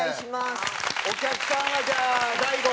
お客さんはじゃあ大悟。